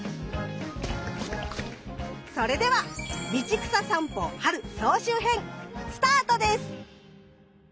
それでは「道草さんぽ・春」総集編スタートです。